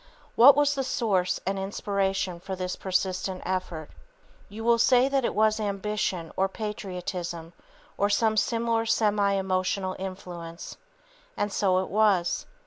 What was the source and inspiration for this persistent effort? You will say that it was ambition or patriotism or some similar semi emotional influence. And so it was.